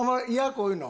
こういうの。